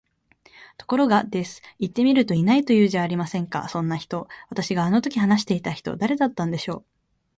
ところが、です。行ってみると居ないと言うじゃありませんか、そんな人。私があの時話していた人、誰だったんでしょう？